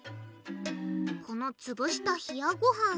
このつぶした冷やごはん